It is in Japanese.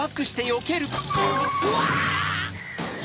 うわ！